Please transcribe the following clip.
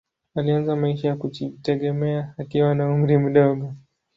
Alianza maisha ya kujitegemea akiwa na umri mdogo.